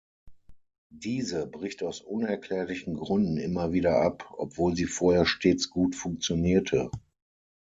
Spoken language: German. Diese bricht aus unerklärlichen Gründen immer wieder ab, obwohl sie vorher stets gut funktionierte.